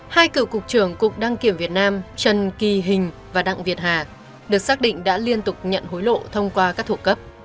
hai cựu cục trưởng cục đăng kiểm việt nam trần kỳ hình và đặng việt hà được xác định đã liên tục nhận hối lộ thông qua các thủ cấp